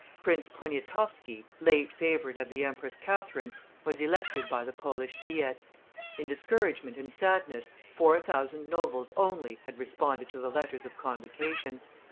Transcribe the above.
Prince Poniatowski, late favorite of the Empress Catherine, was elected by the Polish Diet; in discouragement and sadness, four thousand nobles only had responded to the letters of convocation.